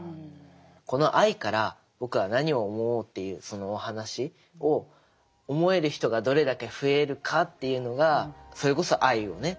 この愛から僕は何を思おうっていうそのお話を思える人がどれだけ増えるかっていうのがそれこそ愛をね